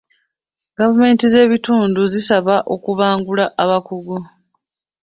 Gavumenti z'ebitundu zisaba okubangula abakungu.